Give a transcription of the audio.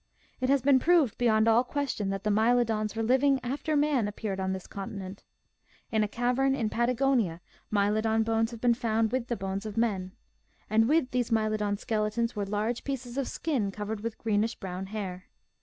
It has been proved beyond all question that the Mylodons were living after man appeared on this continent. In a cavern in Pata gonia Mylodon bones have been found with the bones of men. And with these Mylodon skeletons were large pieces of skin covered with greenish brown hair.